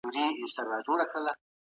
هند ته تبعید. فروغي بسطامي – بند او مذهبي